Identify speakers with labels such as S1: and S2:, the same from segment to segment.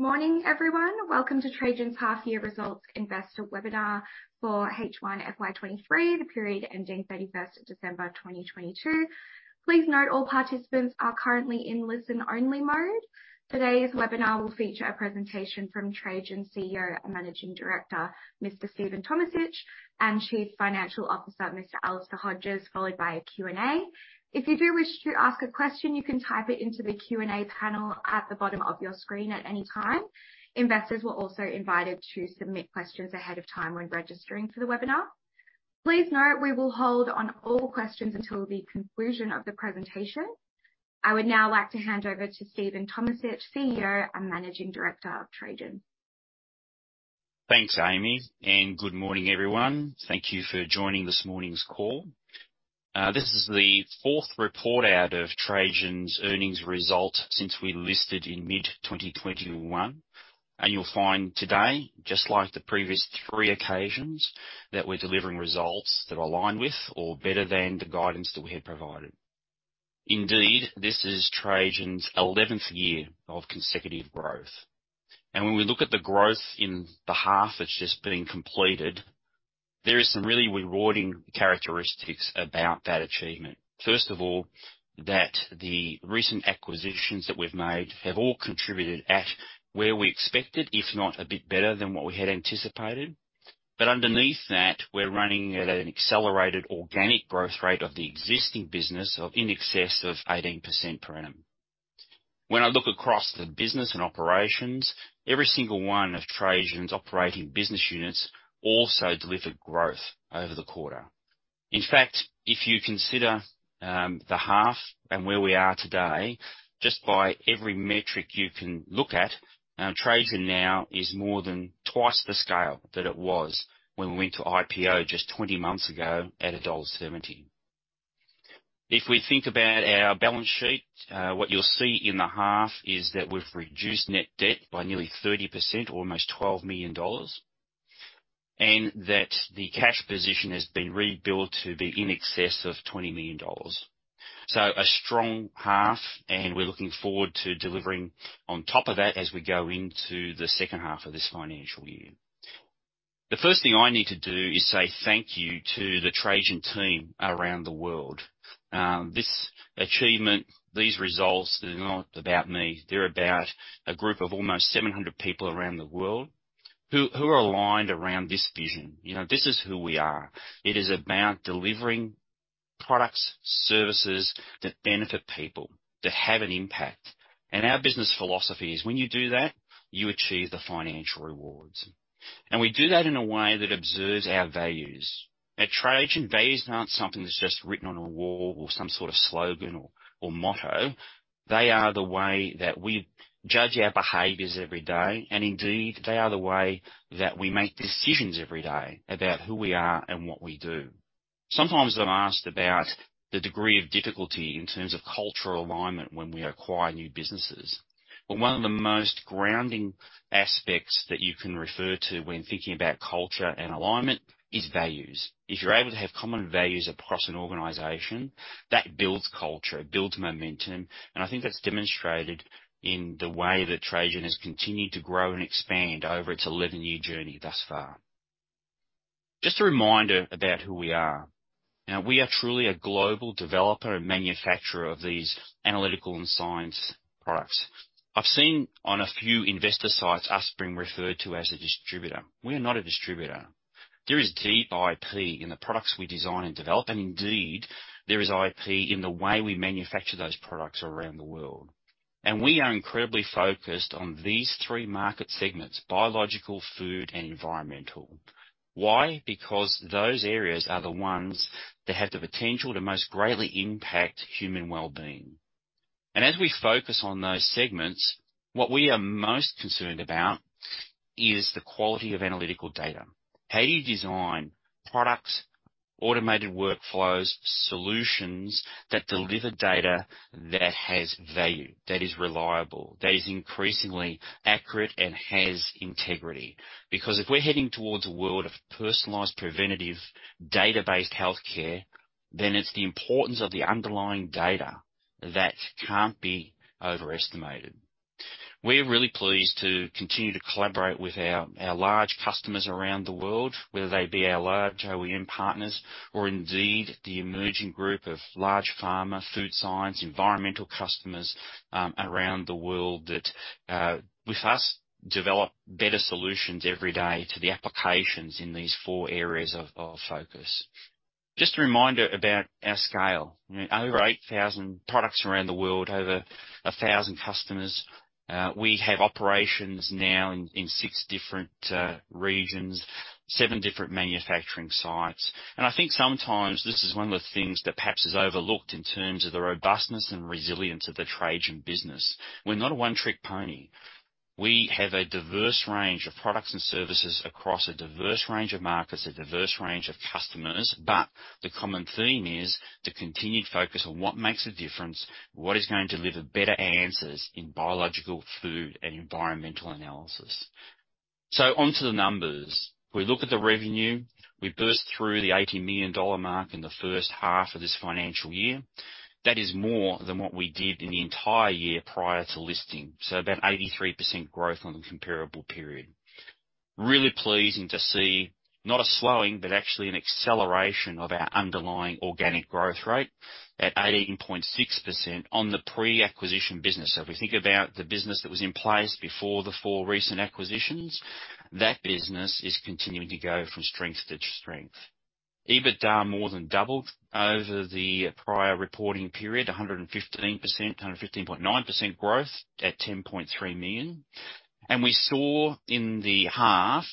S1: Good morning, everyone. Welcome to Trajan's half year results investor webinar for H1 FY23, the period ending 31st December 2022. Please note all participants are currently in listen-only mode. Today's webinar will feature a presentation from Trajan's CEO and Managing Director, Mr. Stephen Tomisich, and Chief Financial Officer, Mr. Alister Hodges, followed by a Q&A. If you do wish to ask a question, you can type it into the Q&A panel at the bottom of your screen at any time. Investors were also invited to submit questions ahead of time when registering for the webinar. Please note we will hold on all questions until the conclusion of the presentation. I would now like to hand over to Stephen Tomisich, CEO and Managing Director of Trajan.
S2: Thanks, Amy, and good morning, everyone. Thank you for joining this morning's call. This is the fourth report out of Trajan's earnings result since we listed in mid-2021. You'll find today, just like the previous three occasions, that we're delivering results that align with or better than the guidance that we had provided. Indeed, this is Trajan's 11th year of consecutive growth. When we look at the growth in the half that's just been completed, there is some really rewarding characteristics about that achievement. First of all, that the recent acquisitions that we've made have all contributed at where we expected, if not a bit better than what we had anticipated. Underneath that, we're running at an accelerated organic growth rate of the existing business of in excess of 18% per annum. When I look across the business and operations, every single one of Trajan's operating business units also delivered growth over the quarter. In fact, if you consider the half and where we are today, just by every metric you can look at, Trajan now is more than twice the scale that it was when we went to IPO just 20 months ago at $1.70. If we think about our balance sheet, what you'll see in the half is that we've reduced net debt by nearly 30%, almost $12 million, and that the cash position has been rebuilt to be in excess of $20 million. A strong half, and we're looking forward to delivering on top of that as we go into the second half of this financial year. The first thing I need to do is say thank you to the Trajan team around the world. This achievement, these results, they're not about me. They're about a group of almost 700 people around the world who are aligned around this vision. You know, this is who we are. It is about delivering products, services that benefit people, that have an impact. Our business philosophy is when you do that, you achieve the financial rewards. We do that in a way that observes our values. At Trajan, values aren't something that's just written on a wall or some sort of slogan or motto. They are the way that we judge our behaviors every day, and indeed, they are the way that we make decisions every day about who we are and what we do. Sometimes I'm asked about the degree of difficulty in terms of cultural alignment when we acquire new businesses. One of the most grounding aspects that you can refer to when thinking about culture and alignment is values. If you're able to have common values across an organization, that builds culture, it builds momentum, and I think that's demonstrated in the way that Trajan has continued to grow and expand over its 11-year journey thus far. Just a reminder about who we are. We are truly a global developer and manufacturer of these analytical and science products. I've seen on a few investor sites us being referred to as a distributor. We are not a distributor. There is deep IP in the products we design and develop, and indeed, there is IP in the way we manufacture those products around the world. We are incredibly focused on these three market segments: biological, food, and environmental. Why? Because those areas are the ones that have the potential to most greatly impact human wellbeing. As we focus on those segments, what we are most concerned about is the quality of analytical data. How do you design products, automated workflows, solutions that deliver data that has value, that is reliable, that is increasingly accurate and has integrity? Because if we're heading towards a world of personalized, preventative, data-based healthcare, then it's the importance of the underlying data that can't be overestimated. We're really pleased to continue to collaborate with our large customers around the world, whether they be our large OEM partners or indeed the emerging group of large pharma, food science, environmental customers around the world that with us develop better solutions every day to the applications in these 4 areas of focus. Just a reminder about our scale. Over 8,000 products around the world, over 1,000 customers. We have operations now in 6 different regions, 7 different manufacturing sites. I think sometimes this is one of the things that perhaps is overlooked in terms of the robustness and resilience of the Trajan business. We're not a one-trick pony. We have a diverse range of products and services across a diverse range of markets, a diverse range of customers. The common theme is the continued focus on what makes a difference, what is going to deliver better answers in biological, food, and environmental analysis. Onto the numbers. We look at the revenue. We burst through the $80 million mark in the first half of this financial year. That is more than what we did in the entire year prior to listing. About 83% growth on the comparable period. Really pleasing to see not a slowing, but actually an acceleration of our underlying organic growth rate at 18.6% on the pre-acquisition business. If we think about the business that was in place before the four recent acquisitions, that business is continuing to go from strength to strength. EBITDA more than doubled over the prior reporting period 115%, 115.9% growth at $10.3 million. We saw in the half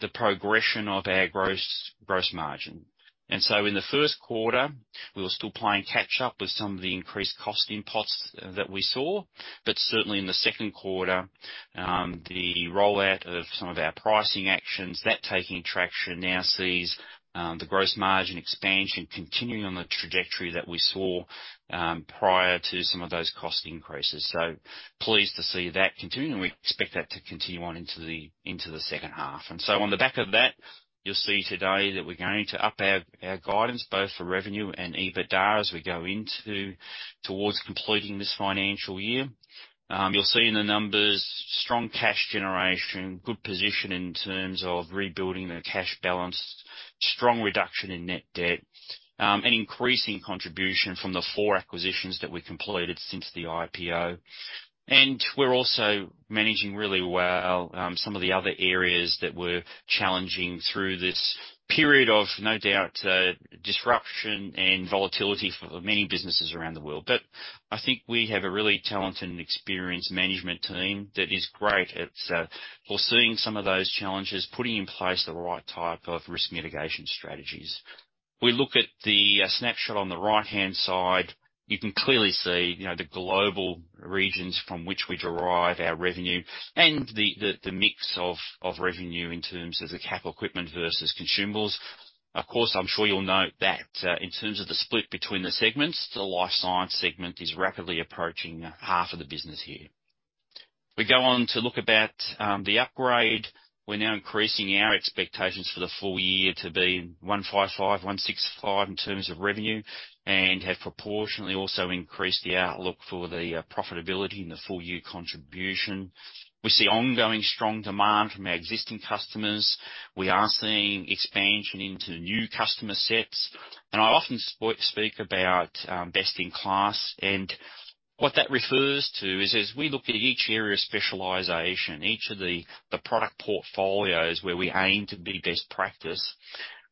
S2: the progression of our gross margin. In the first quarter, we were still playing catch up with some of the increased cost inputs that we saw. Certainly in the second quarter, the rollout of some of our pricing actions, that taking traction now sees the gross margin expansion continuing on the trajectory that we saw prior to some of those cost increases. Pleased to see that continuing. We expect that to continue on into the, into the second half. On the back of that, you'll see today that we're going to up our guidance both for revenue and EBITDA as we go into towards completing this financial year. You'll see in the numbers strong cash generation, good position in terms of rebuilding the cash balance, strong reduction in net debt, and increasing contribution from the four acquisitions that we completed since the IPO. We're also managing really well, some of the other areas that were challenging through this period of no doubt, disruption and volatility for many businesses around the world. I think we have a really talented and experienced management team that is great at foreseeing some of those challenges, putting in place the right type of risk mitigation strategies. We look at the snapshot on the right-hand side. You can clearly see, you know, the global regions from which we derive our revenue and the mix of revenue in terms of the capital equipment versus consumables. Of course, I'm sure you'll note that, in terms of the split between the segments, the life science segment is rapidly approaching half of the business here. We go on to look about the upgrade. We're now increasing our expectations for the full year to be $155, $165 in terms of revenue, and have proportionately also increased the outlook for the profitability and the full year contribution. We see ongoing strong demand from our existing customers. We are seeing expansion into new customer sets. I often speak about best in class. What that refers to is, as we look at each area of specialization, each of the product portfolios where we aim to be best practice,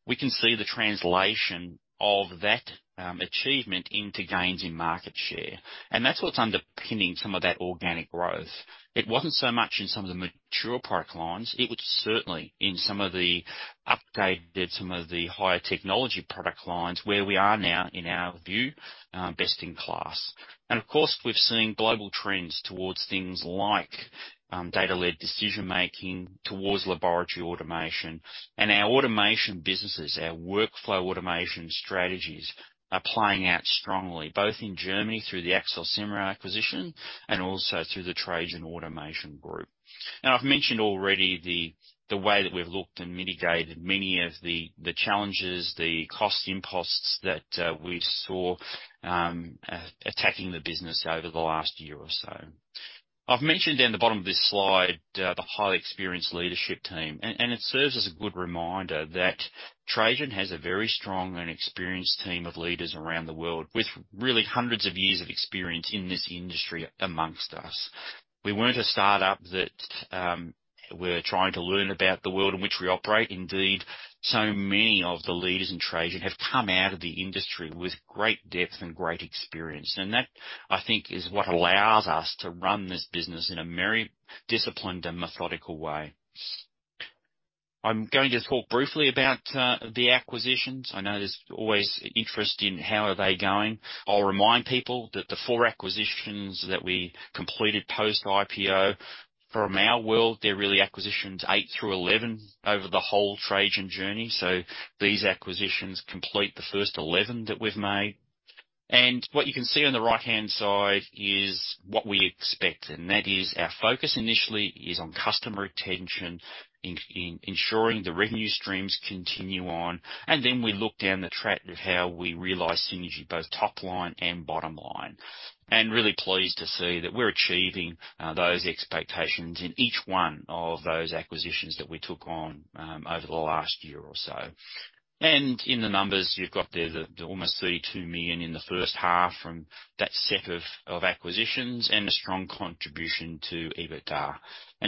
S2: we can see the translation of that achievement into gains in market share. That's what's underpinning some of that organic growth. It wasn't so much in some of the mature product lines. It was certainly in some of the updated, some of the higher technology product lines where we are now, in our view, best in class. Of course, we've seen global trends towards things like data-led decision making, towards laboratory automation. Our automation businesses, our workflow automation strategies are playing out strongly, both in Germany through the Axel Semrau acquisition and also through the Trajan's automation business. I've mentioned already the way that we've looked and mitigated many of the challenges, the cost inputs that we saw attacking the business over the last year or so. I've mentioned down the bottom of this slide, the highly experienced leadership team. It serves as a good reminder that Trajan has a very strong and experienced team of leaders around the world with really hundreds of years of experience in this industry amongst us. We weren't a startup that we're trying to learn about the world in which we operate. So many of the leaders in Trajan have come out of the industry with great depth and great experience. That I think, is what allows us to run this business in a very disciplined and methodical way. I'm going to talk briefly about the acquisitions. I know there's always interest in how are they going. I'll remind people that the four acquisitions that we completed post IPO from our world, they're really acquisitions eight through 11 over the whole Trajan journey. These acquisitions complete the first 11 that we've made. What you can see on the right-hand side is what we expect, and that is our focus initially is on customer retention, ensuring the revenue streams continue on. Then we look down the track of how we realize synergy, both top line and bottom line. Really pleased to see that we're achieving those expectations in each one of those acquisitions that we took on over the last year or so. In the numbers you've got there, the almost $32 million in the first half from that set of acquisitions and a strong contribution to EBITDA.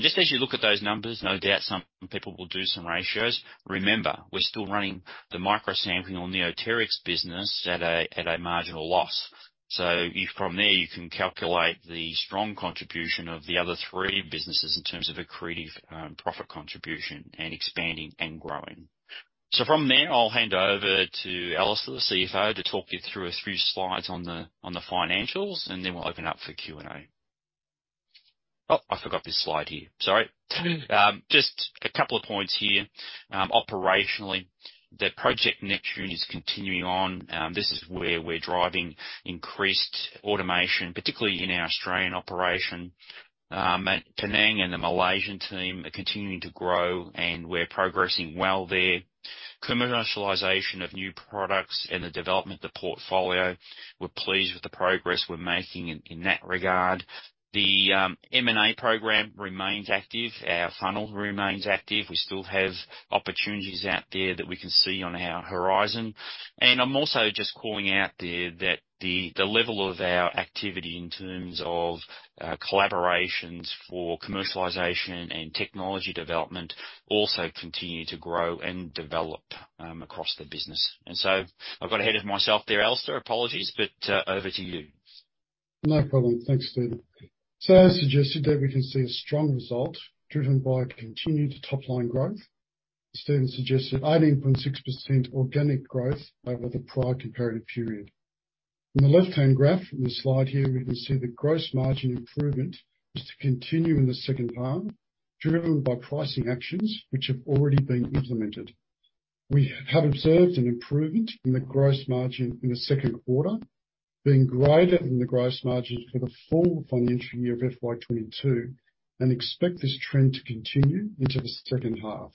S2: Just as you look at those numbers, no doubt some people will do some ratios. Remember, we're still running the microsampling or Neoteryx business at a marginal loss. From there, you can calculate the strong contribution of the other three businesses in terms of accretive profit contribution and expanding and growing. From there, I'll hand over to Alister, the CFO, to talk you through a few slides on the financials, and then we'll open up for Q&A. Oh, I forgot this slide here. Sorry. Just a couple of points here. Operationally, the Project Neptune is continuing on. This is where we're driving increased automation, particularly in our Australian operation. At Penang and the Malaysian team are continuing to grow, and we're progressing well there. Commercialization of new products and the development of the portfolio, we're pleased with the progress we're making in that regard. The M&A program remains active. Our funnel remains active. We still have opportunities out there that we can see on our horizon. I'm also just calling out there that the level of our activity in terms of collaborations for commercialization and technology development also continue to grow and develop across the business. I've got ahead of myself there, Alister. Apologies, but over to you.
S3: No problem. Thanks, Stephen. As suggested there, we can see a strong result driven by continued top-line growth. Stephen suggested 18.6% organic growth over the prior comparative period. On the left-hand graph on the slide here, we can see the gross margin improvement is to continue in the second half, driven by pricing actions which have been implemented. We have observed an improvement in the gross margin in the second quarter, being greater than the gross margins for the full financial year of FY 2022, and expect this trend to continue into the second half.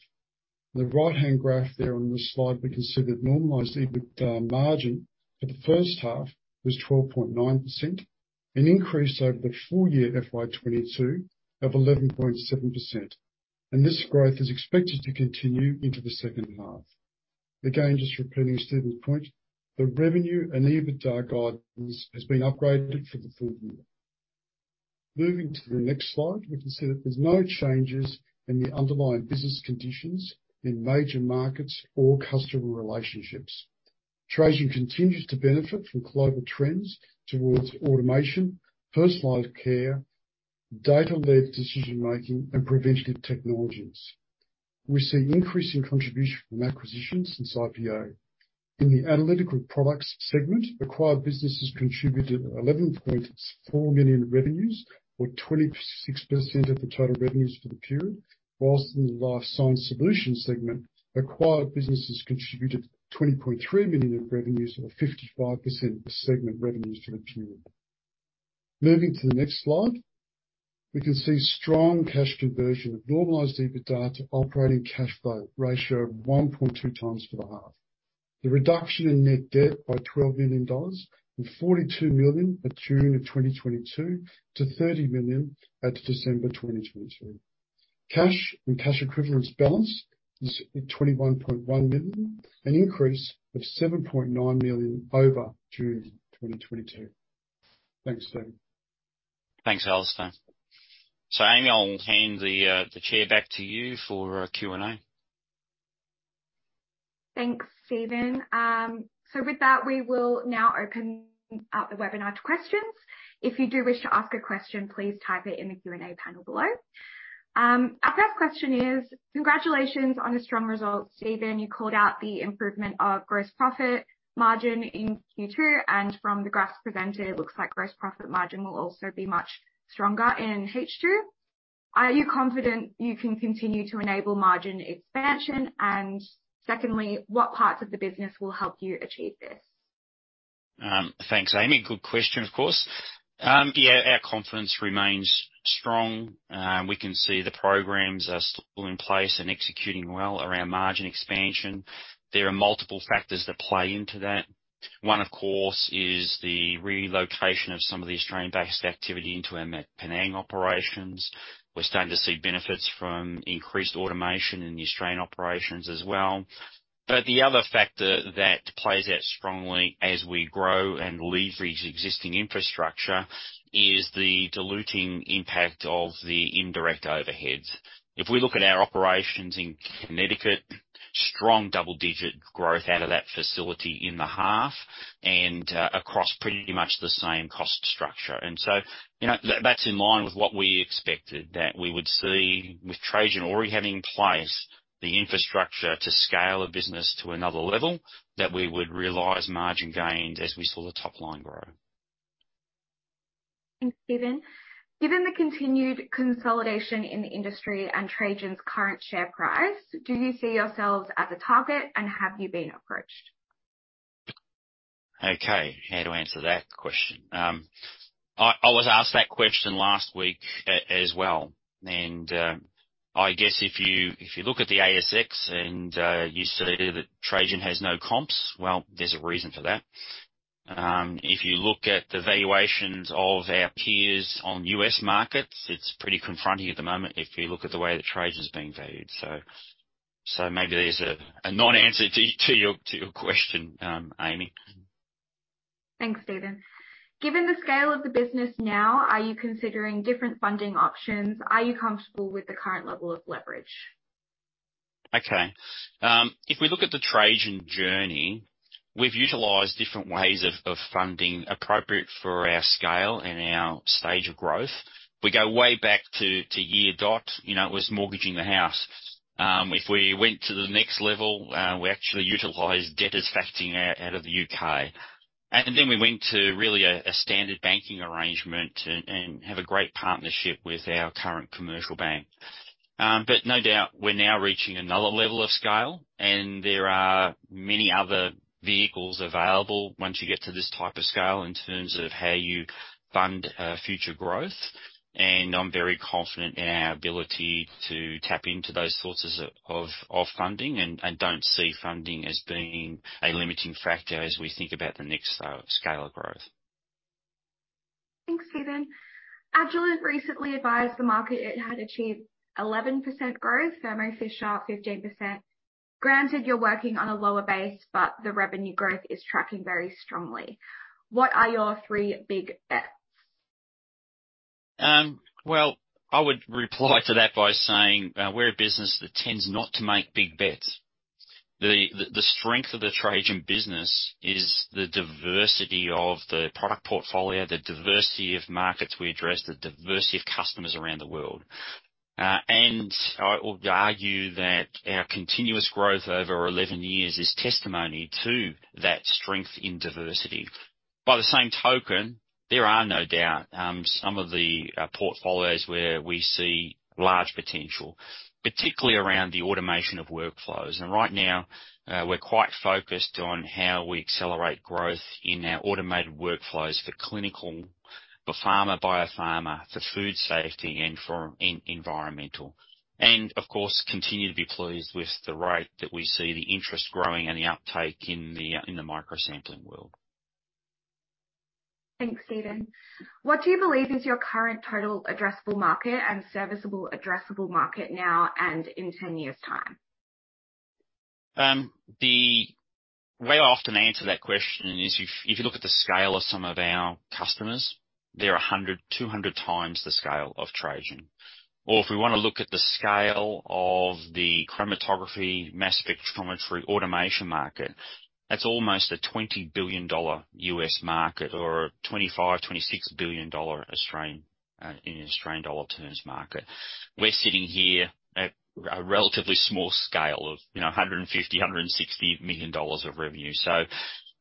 S3: The right-hand graph there on the slide, we can see that normalized EBITDA margin for the first half was 12.9%, an increase over the full year FY 2022 of 11.7%. This growth is expected to continue into the second half. Again, just repeating Stephen's point, the revenue and EBITDA guidance has been upgraded for the full year. Moving to the next slide, we can see that there's no changes in the underlying business conditions in major markets or customer relationships. Trajan continues to benefit from global trends towards automation, personalized care, data-led decision-making, and preventative technologies. We see increasing contribution from acquisitions since IPO. In the analytical products segment, acquired businesses contributed $11.4 million in revenues, or 26% of the total revenues for the period. In the Life Science Solution segment, acquired businesses contributed $20.3 million in revenues, or 55% of the segment revenues for the period. Moving to the next slide, we can see strong cash conversion of normalized EBITDA to operating cash flow ratio of 1.2 times for the half. The reduction in net debt by $12 million and $42 million maturing in 2022 to $30 million at December 2022. Cash and cash equivalence balance is at $21.1 million, an increase of $7.9 million over June 2022. Thanks, Stephen.
S2: Thanks, Alister. Amy, I'll hand the chair back to you for Q&A.
S1: Thanks, Stephen. With that, we will now open up the webinar to questions. If you do wish to ask a question, please type it in the Q&A panel below. Our first question is, congratulations on the strong results, Stephen. You called out the improvement of gross profit margin in Q2, from the graphs presented, it looks like gross profit margin will also be much stronger in H2. Are you confident you can continue to enable margin expansion? Secondly, what parts of the business will help you achieve this?
S2: Thanks, Amy. Good question, of course. Yeah, our confidence remains strong. We can see the programs are still in place and executing well around margin expansion. There are multiple factors that play into that. One, of course, is the relocation of some of the Australian-based activity into our Penang operations. We're starting to see benefits from increased automation in the Australian operations as well. The other factor that plays out strongly as we grow and leverage existing infrastructure is the diluting impact of the indirect overheads. If we look at our operations in Connecticut, strong double-digit growth out of that facility in the half and across pretty much the same cost structure. You know, that's in line with what we expected, that we would see with Trajan already having in place the infrastructure to scale a business to another level, that we would realize margin gains as we saw the top line grow.
S1: Thanks, Stephen. Given the continued consolidation in the industry and Trajan's current share price, do you see yourselves as a target, and have you been approached?
S2: Okay, how do I answer that question? I was asked that question last week as well. I guess if you look at the ASX and you see that Trajan has no comps, well, there's a reason for that. If you look at the valuations of our peers on U.S. markets, it's pretty confronting at the moment if you look at the way that Trajan's being valued. Maybe there's a non-answer to your question, Amy.
S1: Thanks, Stephen. Given the scale of the business now, are you considering different funding options? Are you comfortable with the current level of leverage?
S2: Okay. If we look at the Trajan journey, we've utilized different ways of funding appropriate for our scale and our stage of growth. We go way back to year dot. You know, it was mortgaging the house. If we went to the next level, we actually utilized debt as factoring out of the U.K. We went to really a standard banking arrangement and have a great partnership with our current commercial bank. No doubt we're now reaching another level of scale, and there are many other vehicles available once you get to this type of scale in terms of how you fund future growth. I'm very confident in our ability to tap into those sources of funding and don't see funding as being a limiting factor as we think about the next scale of growth.
S1: Thanks, Stephen. Agilent recently advised the market it had achieved 11% growth, Thermo Fisher, 15%. Granted, you're working on a lower base, but the revenue growth is tracking very strongly. What are your three big bets?
S2: Well, I would reply to that by saying, we're a business that tends not to make big bets. The strength of the Trajan business is the diversity of the product portfolio, the diversity of markets we address, the diversity of customers around the world. I would argue that our continuous growth over 11 years is testimony to that strength in diversity. By the same token, there are no doubt, some of the portfolios where we see large potential, particularly around the automation of workflows. Right now, we're quite focused on how we accelerate growth in our automated workflows for clinical, for pharma, biopharma, for food safety, and for environmental. Of course, continue to be pleased with the rate that we see the interest growing and the uptake in the microsampling world.
S1: Thanks, Stephen. What do you believe is your current total addressable market and serviceable addressable market now and in 10 years time?
S2: The way I often answer that question is if you look at the scale of some of our customers, they're 100, 200 times the scale of Trajan. If we want to look at the scale of the chromatography mass spectrometry automation market, that's almost a $20 billion US market or a $25 billion-$26 billion in Australian dollar terms market. We're sitting here at a relatively small scale of, you know, $150 million-$160 million of revenue.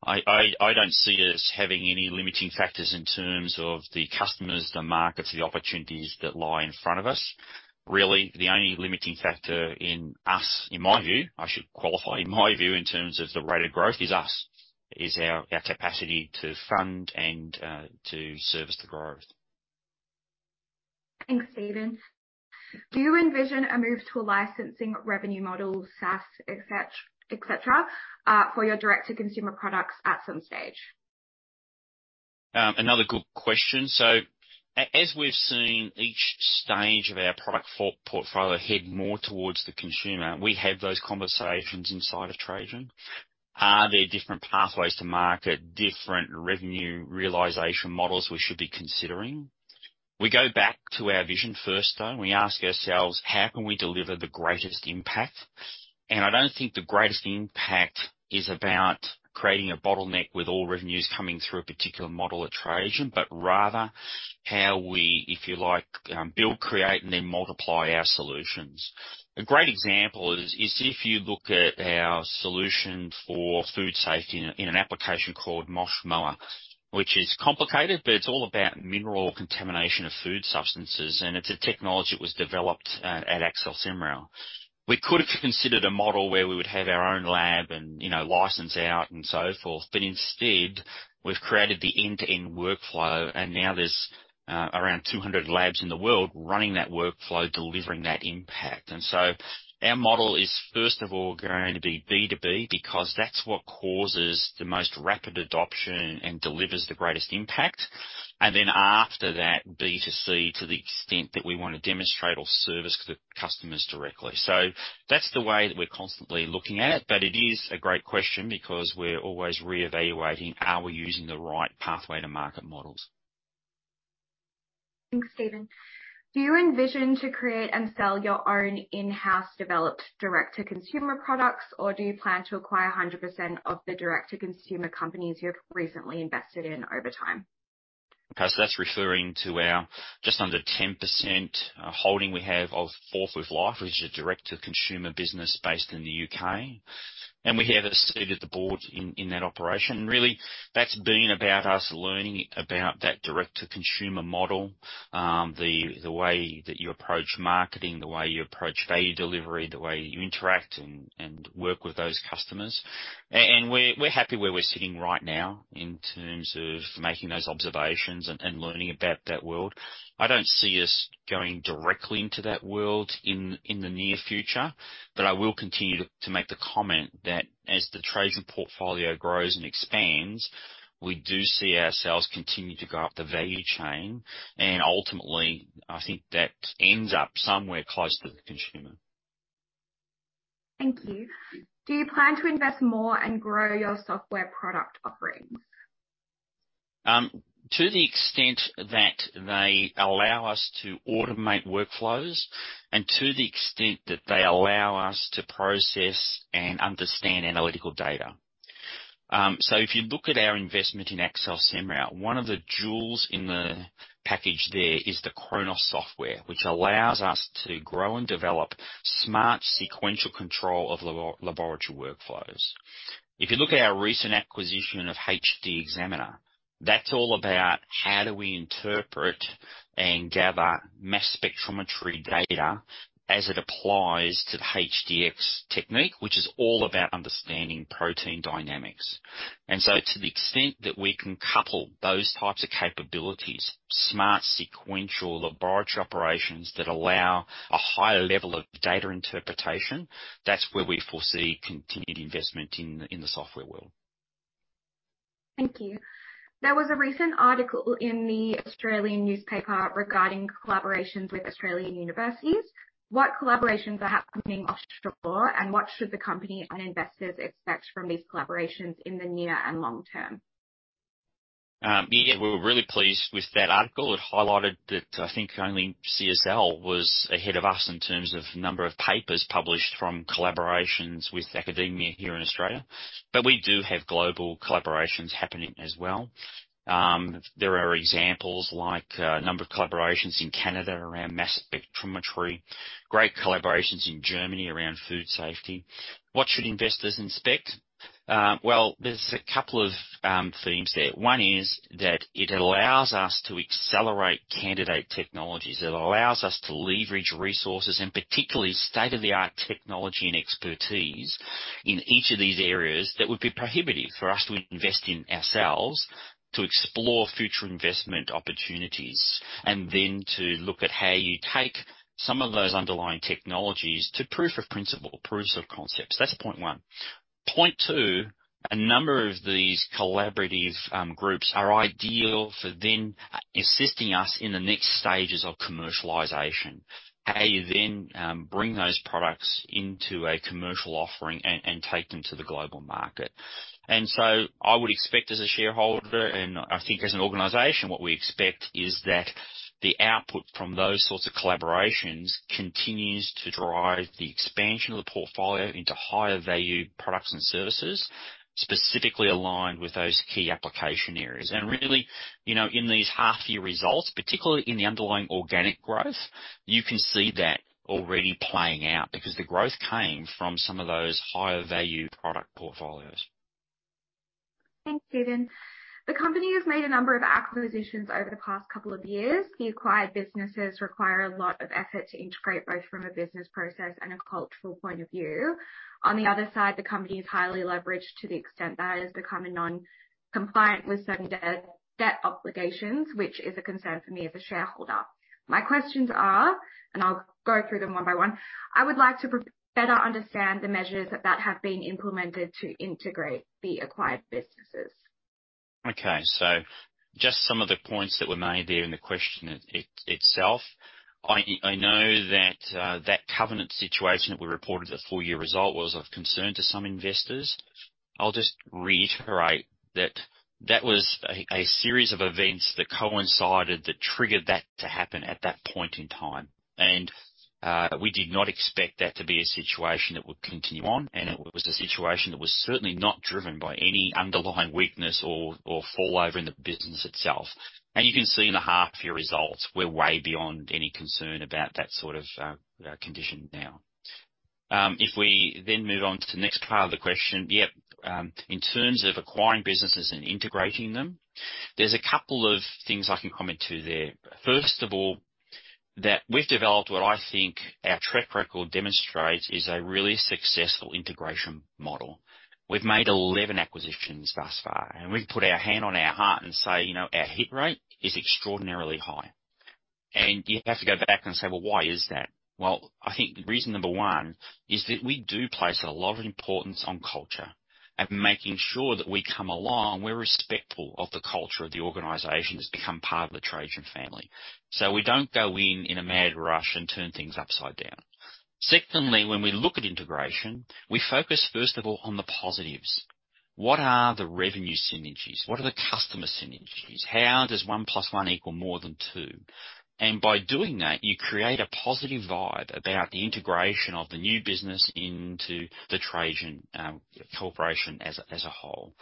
S2: I don't see us having any limiting factors in terms of the customers, the markets, the opportunities that lie in front of us. Really, the only limiting factor in us, in my view, I should qualify, in my view, in terms of the rate of growth, is us. Is our capacity to fund and to service the growth.
S1: Thanks, Stephen. Do you envision a move to a licensing revenue model, SaaS, et cetera, et cetera, for your direct-to-consumer products at some stage?
S2: Another good question. As we've seen each stage of our product portfolio head more towards the consumer, we have those conversations inside of Trajan. Are there different pathways to market, different revenue realization models we should be considering? We go back to our vision first, though. We ask ourselves, "How can we deliver the greatest impact?" I don't think the greatest impact is about creating a bottleneck with all revenues coming through a particular model at Trajan, but rather how we, if you like, build, create, and then multiply our solutions. A great example is if you look at our solution for food safety in an application called MOSH/MOAH, which is complicated, but it's all about mineral contamination of food substances, and it's a technology that was developed at Axel Semrau. We could have considered a model where we would have our own lab and, you know, license out and so forth, but instead, we've created the end-to-end workflow, and now there's around 200 labs in the world running that workflow, delivering that impact. Our model is first of all going to be B2B because that's what causes the most rapid adoption and delivers the greatest impact. After that, B2C, to the extent that we wanna demonstrate or service the customers directly. That's the way that we're constantly looking at it. It is a great question because we're always re-evaluating, are we using the right pathway to market models?
S1: Thanks, Stephen. Do you envision to create and sell your own in-house developed direct-to-consumer products, or do you plan to acquire 100% of the direct-to-consumer companies you have recently invested in over time?
S2: Okay. That's referring to our just under 10% holding we have of Forth with Life, which is a direct-to-consumer business based in the UK. We have a seat at the board in that operation. Really, that's been about us learning about that direct-to-consumer model. The way that you approach marketing, the way you approach value delivery, the way you interact and work with those customers. We're happy where we're sitting right now in terms of making those observations and learning about that world. I don't see us going directly into that world in the near future, but I will continue to make the comment that as the Trajan portfolio grows and expands, we do see ourselves continue to go up the value chain. Ultimately, I think that ends up somewhere close to the consumer.
S1: Thank you. Do you plan to invest more and grow your software product offerings?
S2: To the extent that they allow us to automate workflows and to the extent that they allow us to process and understand analytical data. If you look at our investment in Axel Semrau, one of the jewels in the package there is the CHRONOS software, which allows us to grow and develop smart sequential control of laboratory workflows. If you look at our recent acquisition of HDExaminer, that's all about how do we interpret and gather mass spectrometry data as it applies to the HDX technique, which is all about understanding protein dynamics. To the extent that we can couple those types of capabilities, smart sequential laboratory operations that allow a higher level of data interpretation, that's where we foresee continued investment in the software world.
S1: Thank you. There was a recent article in The Australian newspaper regarding collaborations with Australian universities. What collaborations are happening offshore, and what should the company and investors expect from these collaborations in the near and long term?
S2: Yeah, we were really pleased with that article. It highlighted that I think only CSL was ahead of us in terms of number of papers published from collaborations with academia here in Australia. We do have global collaborations happening as well. There are examples like a number of collaborations in Canada around mass spectrometry, great collaborations in Germany around food safety. What should investors expect? Well, there's a couple of themes there. One is that it allows us to accelerate candidate technologies. It allows us to leverage resources, and particularly state-of-the-art technology and expertise in each of these areas that would be prohibitive for us to invest in ourselves to explore future investment opportunities, and then to look at how you take some of those underlying technologies to proof of principle, proofs of concepts. That's point one. Point 2, a number of these collaborative groups are ideal for then assisting us in the next stages of commercialization. How you then bring those products into a commercial offering and take them to the global market. I would expect as a shareholder, and I think as an organization, what we expect is that the output from those sorts of collaborations continues to drive the expansion of the portfolio into higher value products and services, specifically aligned with those key application areas. Really, you know, in these half year results, particularly in the underlying organic growth, you can see that already playing out because the growth came from some of those higher value product portfolios.
S1: Thanks, Stephen. The company has made a number of acquisitions over the past couple of years. The acquired businesses require a lot of effort to integrate, both from a business process and a cultural point of view. On the other side, the company is highly leveraged to the extent that it has become a non-compliant with certain debt obligations, which is a concern for me as a shareholder. My questions are, I'll go through them one by one, I would like to better understand the measures that have been implemented to integrate the acquired businesses.
S2: Just some of the points that were made there in the question itself. I know that covenant situation that we reported the full-year result was of concern to some investors. I'll just reiterate that was a series of events that coincided that triggered that to happen at that point in time. We did not expect that to be a situation that would continue on, and it was a situation that was certainly not driven by any underlying weakness or fall over in the business itself. You can see in the half-year results, we're way beyond any concern about that sort of condition now. If we move on to the next part of the question. In terms of acquiring businesses and integrating them, there's a couple of things I can comment to there. First of all, that we've developed what I think our track record demonstrates is a really successful integration model. We've made 11 acquisitions thus far, and we've put our hand on our heart and say, you know, our hit rate is extraordinarily high. You have to go back and say, "Well, why is that?" Well, I think reason number one is that we do place a lot of importance on culture and making sure that we come along, we're respectful of the culture of the organization that's become part of the Trajan family. We don't go in in a mad rush and turn things upside down. Secondly, when we look at integration, we focus first of all on the positives. What are the revenue synergies? What are the customer synergies? How does 1 plus 1 equal more than 2? By doing that, you create a positive vibe about the integration of the new business into the Trajan corporation as a whole.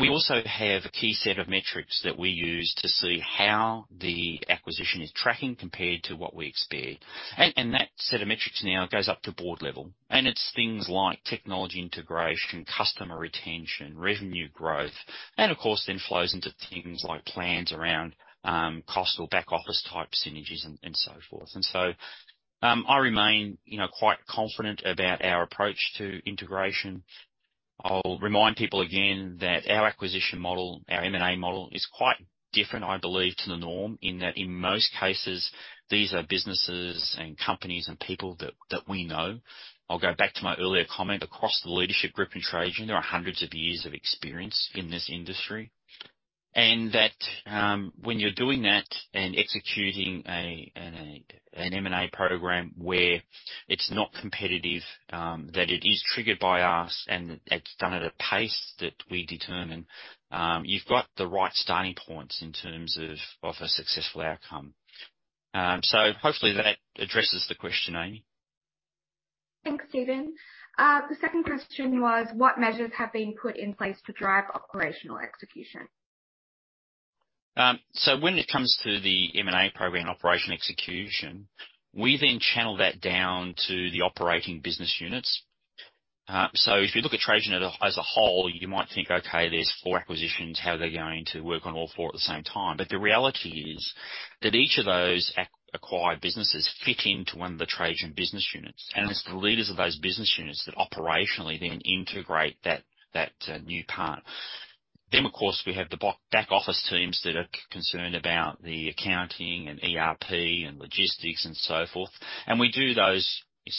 S2: We also have a key set of metrics that we use to see how the acquisition is tracking compared to what we expect. That set of metrics now goes up to board level. It's things like technology integration, customer retention, revenue growth, and of course, then flows into things like plans around cost or back office type synergies and so forth. So, I remain, you know, quite confident about our approach to integration. I'll remind people again that our acquisition model, our M&A model is quite different, I believe, to the norm, in that in most cases, these are businesses and companies and people that we know. I'll go back to my earlier comment. Across the leadership group in Trajan, there are hundreds of years of experience in this industry. When you're doing that and executing an M&A program where it's not competitive, that it is triggered by us and it's done at a pace that we determine, you've got the right starting points in terms of a successful outcome. Hopefully that addresses the question, Amy.
S1: Thanks, Stephen. The second question was what measures have been put in place to drive operational execution?
S2: When it comes to the M&A program operation execution, we then channel that down to the operating business units. If you look at Trajan as a whole, you might think, okay, there's 4 acquisitions, how are they going to work on all 4 at the same time? The reality is that each of those acquired businesses fit into one of the Trajan business units. It's the leaders of those business units that operationally then integrate that new part. Of course, we have the back office teams that are concerned about the accounting and ERP and logistics and so forth. We do those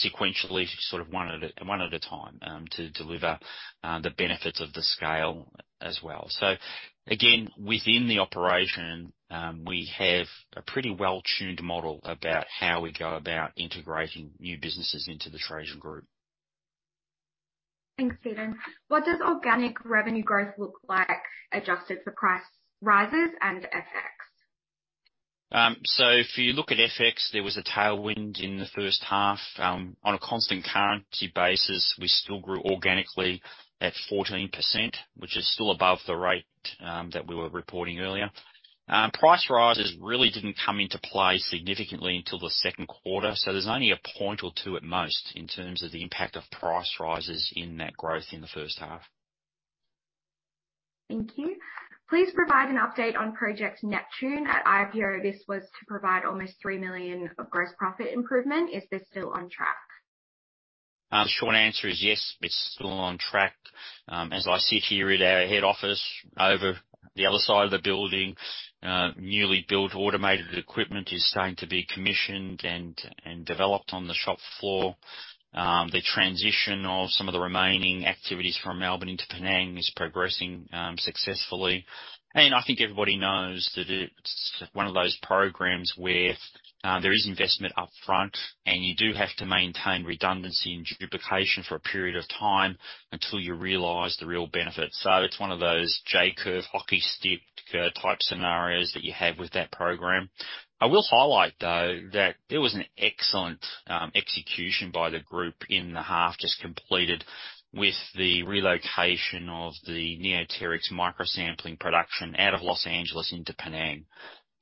S2: sequentially, sort of one at a time, to deliver the benefits of the scale as well. Again, within the operation, we have a pretty well-tuned model about how we go about integrating new businesses into the Trajan Group.
S1: Thanks, Stephen. What does organic revenue growth look like adjusted for price rises and FX?
S2: If you look at FX, there was a tailwind in the first half. On a constant currency basis, we still grew organically at 14%, which is still above the rate that we were reporting earlier. Price rises really didn't come into play significantly until the second quarter, there's only a point or 2 at most in terms of the impact of price rises in that growth in the first half.
S1: Thank you. Please provide an update on Project Neptune. At IPO, this was to provide almost $3 million of gross profit improvement. Is this still on track?
S2: The short answer is yes, it's still on track. As I sit here at our head office, over the other side of the building, newly built automated equipment is starting to be commissioned and developed on the shop floor. The transition of some of the remaining activities from Melbourne into Penang is progressing successfully. I think everybody knows that it's one of those programs where there is investment up front, and you do have to maintain redundancy and duplication for a period of time until you realize the real benefit. It's one of those J-curve, hockey stick, type scenarios that you have with that program. I will highlight, though, that there was an excellent execution by the group in the half just completed with the relocation of the Neoteryx microsampling production out of Los Angeles into Penang.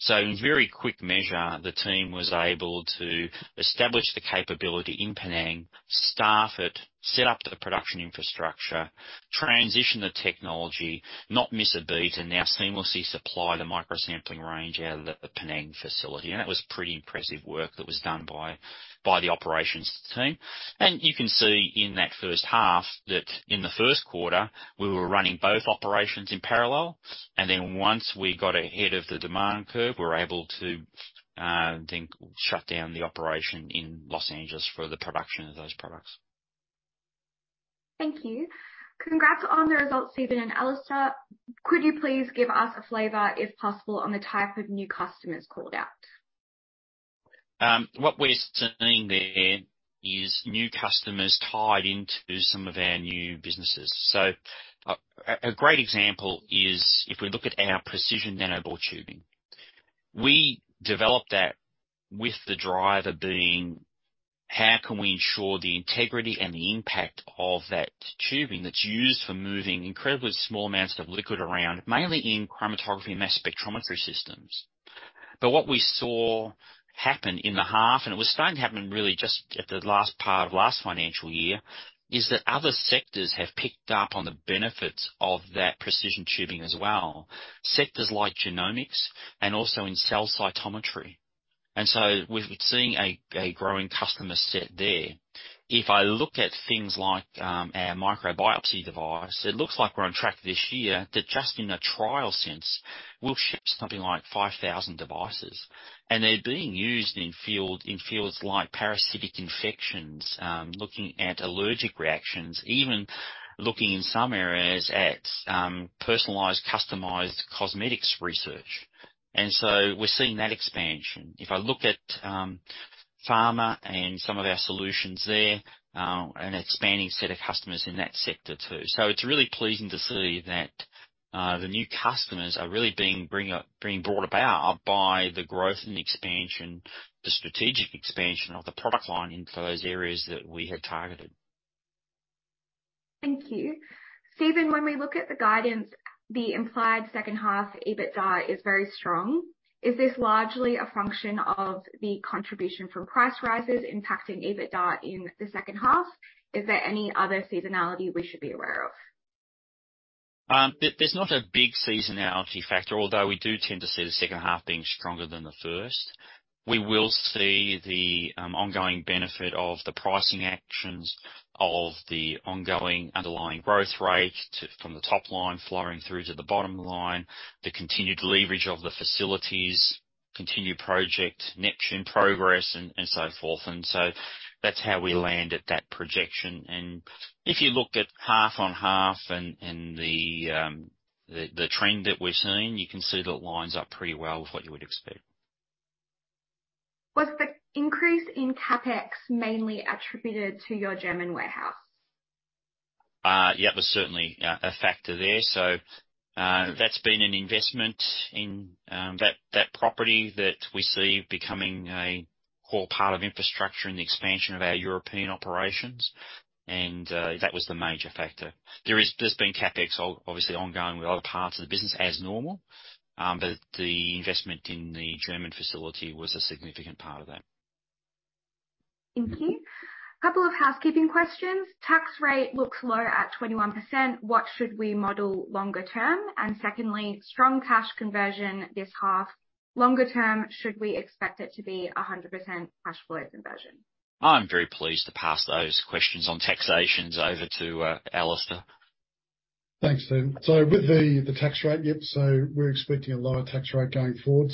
S2: In very quick measure, the team was able to establish the capability in Penang, staff it, set up the production infrastructure, transition the technology, not miss a beat, and now seamlessly supply the microsampling range out of the Penang facility. That was pretty impressive work that was done by the operations team. You can see in that first half that in the first quarter, we were running both operations in parallel, then once we got ahead of the demand curve, we were able to then shut down the operation in Los Angeles for the production of those products.
S1: Thank you. Congrats on the results, Stephen and Alister. Could you please give us a flavor, if possible, on the type of new customers called out?
S2: What we're seeing there is new customers tied into some of our new businesses. A great example is if we look at our precision nanobore tubing. We developed that with the driver being, how can we ensure the integrity and the impact of that tubing that's used for moving incredibly small amounts of liquid around, mainly in chromatography and mass spectrometry systems. What we saw happen in the half, and it was starting to happen really just at the last part of last financial year, is that other sectors have picked up on the benefits of that precision tubing as well, sectors like genomics and also in flow cytometry. We've been seeing a growing customer set there. If I look at things like our microbiopsy device, it looks like we're on track this year that just in a trial sense, we'll ship something like 5,000 devices. They're being used in fields like parasitic infections, looking at allergic reactions, even looking in some areas at personalized, customized cosmetics research. We're seeing that expansion. If I look at pharma and some of our solutions there, an expanding set of customers in that sector too. It's really pleasing to see that the new customers are really being brought about by the growth and expansion, the strategic expansion of the product line into those areas that we have targeted.
S1: Thank you. Stephen, when we look at the guidance, the implied second half EBITDA is very strong. Is this largely a function of the contribution from price rises impacting EBITDA in the second half? Is there any other seasonality we should be aware of?
S2: There's not a big seasonality factor, although we do tend to see the second half being stronger than the first. We will see the ongoing benefit of the pricing actions of the ongoing underlying growth rate from the top line flowing through to the bottom line, the continued leverage of the facilities, continued Project Neptune progress, and so forth. That's how we land at that projection. If you look at half on half and the trend that we're seeing, you can see that it lines up pretty well with what you would expect.
S1: Was the increase in CapEx mainly attributed to your German warehouse?
S2: Yeah, that's certainly a factor there. That's been an investment in that property that we see becoming a core part of infrastructure and the expansion of our European operations. That was the major factor. There's been CapEx obviously ongoing with other parts of the business as normal, but the investment in the German facility was a significant part of that.
S1: Thank you. Couple of housekeeping questions. Tax rate looks low at 21%. What should we model longer term? Secondly, strong cash conversion this half. Longer term, should we expect it to be 100% cash flow conversion?
S2: I'm very pleased to pass those questions on taxations over to, Alister.
S3: Thanks, Stephen. With the tax rate, yep, we're expecting a lower tax rate going forward,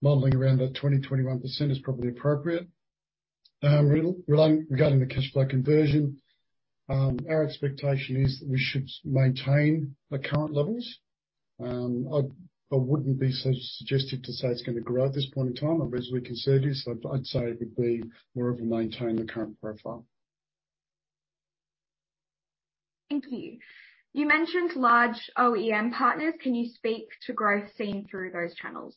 S3: modeling around that 20-21% is probably appropriate. Regarding the cash flow conversion, our expectation is that we should maintain the current levels. I wouldn't be so suggestive to say it's gonna grow at this point in time. I'm reasonably conservative, I'd say it would be more of a maintain the current profile.
S1: Thank you. You mentioned large OEM partners. Can you speak to growth seen through those channels?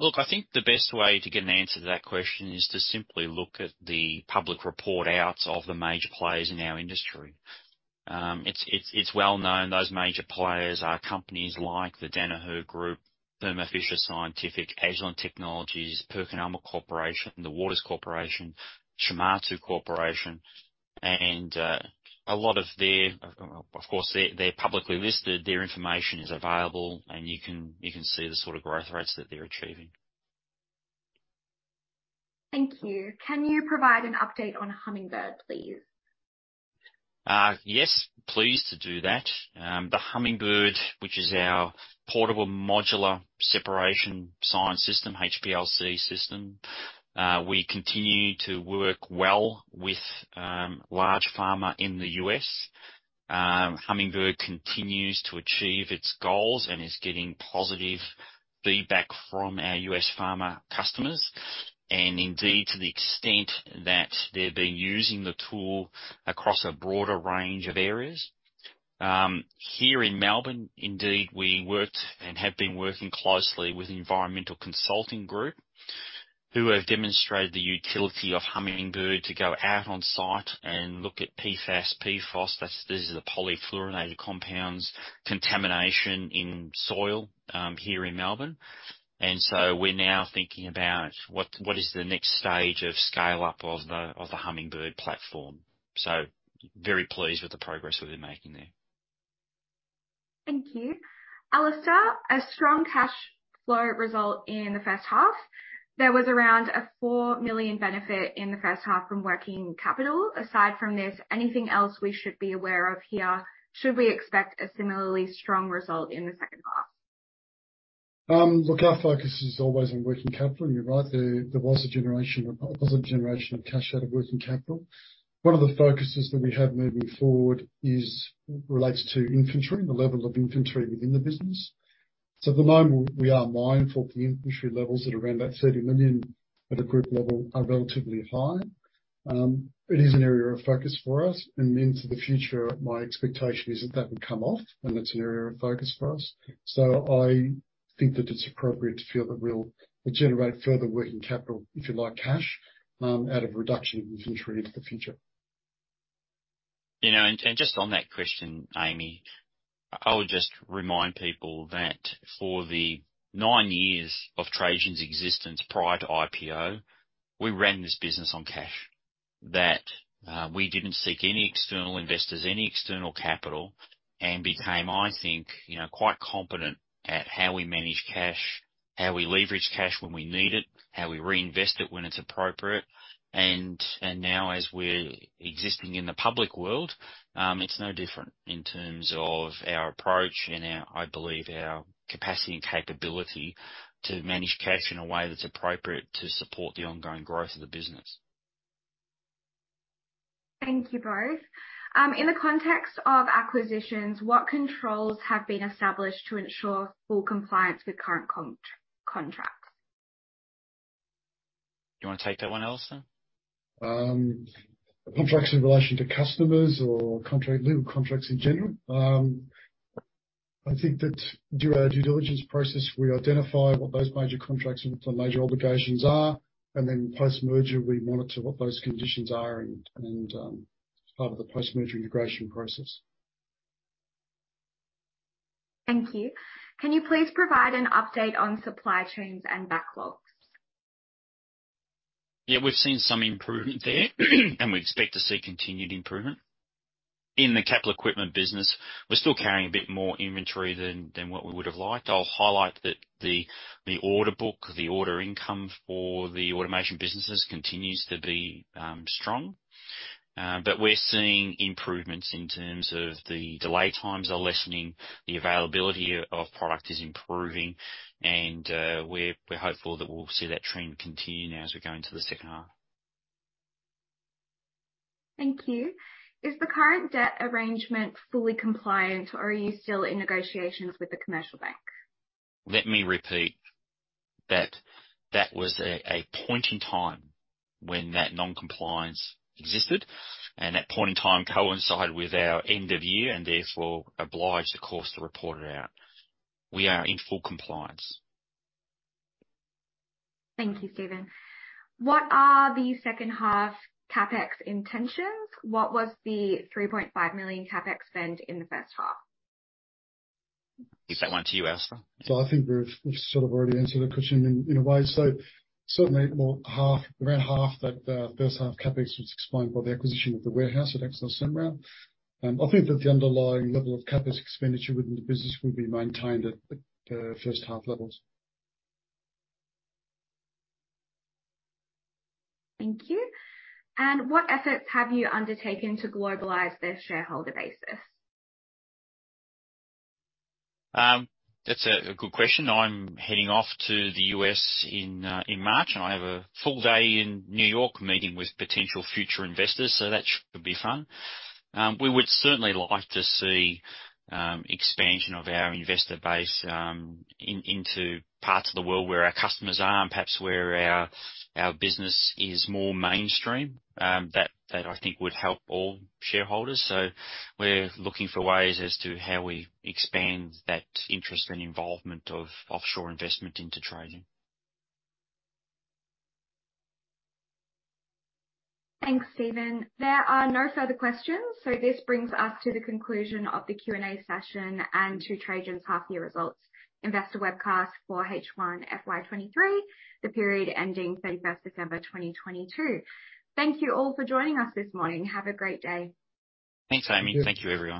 S2: Look, I think the best way to get an answer to that question is to simply look at the public report outs of the major players in our industry. It's, it's well known those major players are companies like the Danaher Group, Thermo Fisher Scientific, Agilent Technologies, PerkinElmer Corporation, The Waters Corporation, Shimadzu Corporation. Of course, they're publicly listed. Their information is available, and you can, you can see the sort of growth rates that they're achieving.
S1: Thank you. Can you provide an update on Hummingbird, please?
S2: Yes, pleased to do that. The Hummingbird, which is our portable modular separation science system, HPLC system, we continue to work well with large pharma in the U.S. Hummingbird continues to achieve its goals and is getting positive feedback from our U.S. pharma customers. Indeed, to the extent that they're using the tool across a broader range of areas. Here in Melbourne, indeed, we worked and have been working closely with Environmental Consulting Group, who have demonstrated the utility of Hummingbird to go out on site and look at PFAS, PFOS. That's, this is the polyfluorinated compounds contamination in soil here in Melbourne. We're now thinking about what is the next stage of scale-up of the Hummingbird platform. Very pleased with the progress we've been making there.
S1: Thank you. Alister, a strong cash flow result in the first half. There was around an $4 million benefit in the first half from working capital. Aside from this, anything else we should be aware of here? Should we expect a similarly strong result in the second half?
S3: Look, our focus is always on working capital. You're right. There was a generation, a positive generation of cash out of working capital. One of the focuses that we have moving forward is relates to inventory, the level of inventory within the business. At the moment, we are mindful of the inventory levels at around $30 million at a group level are relatively high. It is an area of focus for us. Into the future, my expectation is that that will come off, and that's an area of focus for us. I think that it's appropriate to feel that we'll generate further working capital, if you like, cash, out of reduction in inventory into the future.
S2: You know, and just on that question, Amy, I would just remind people that for the nine years of Trajan's existence prior to IPO, we ran this business on cash. That, we didn't seek any external investors, any external capital, and became, I think, you know, quite competent at how we manage cash, how we leverage cash when we need it, how we reinvest it when it's appropriate. Now as we're existing in the public world, it's no different in terms of our approach and our, I believe, our capacity and capability to manage cash in a way that's appropriate to support the ongoing growth of the business.
S1: Thank you both. In the context of acquisitions, what controls have been established to ensure full compliance with current contracts?
S2: Do you wanna take that one, Alister?
S3: Contracts in relation to customers or legal contracts in general? I think that during our due diligence process, we identify what those major contracts and what the major obligations are, and then post-merger, we monitor what those conditions are and as part of the post-merger integration process.
S1: Thank you. Can you please provide an update on supply chains and backlogs?
S2: Yeah, we've seen some improvement there, and we expect to see continued improvement. In the capital equipment business, we're still carrying a bit more inventory than what we would have liked. I'll highlight that the order book, the order income for the automation businesses continues to be strong. We're seeing improvements in terms of the delay times are lessening, the availability of product is improving and we're hopeful that we'll see that trend continue now as we go into the second half.
S1: Thank you. Is the current debt arrangement fully compliant, or are you still in negotiations with the commercial bank?
S2: Let me repeat. That was a point in time when that non-compliance existed, and that point in time coincided with our end of year and therefore obliged the ASX to report it out. We are in full compliance.
S1: Thank you, Stephen. What are the second half CapEx intentions? What was the $3.5 million CapEx spend in the first half?
S2: Give that one to you, Alister.
S3: I think we've sort of already answered the question in a way. Certainly more half, around half that first half CapEx was explained by the acquisition of the warehouse at Axel Semrau. I think that the underlying level of CapEx expenditure within the business will be maintained at first half levels.
S1: Thank you. What efforts have you undertaken to globalize the shareholder basis?
S2: That's a good question. I'm heading off to the U.S. in March. I have a full day in New York meeting with potential future investors. That should be fun. We would certainly like to see expansion of our investor base into parts of the world where our customers are and perhaps where our business is more mainstream. That I think would help all shareholders. We're looking for ways as to how we expand that interest and involvement of offshore investment into Trajan.
S1: Thanks, Stephen. There are no further questions. This brings us to the conclusion of the Q&A session and to Trajan's half year results investor webcast for H1 FY23, the period ending 31st December 2022. Thank you all for joining us this morning. Have a great day.
S2: Thanks, Amy. Thank you, everyone.